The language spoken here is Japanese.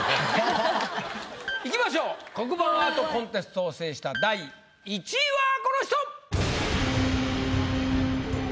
いきましょう黒板アートコンテストを制した第１位はこの人！